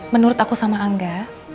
menurut aku sama angga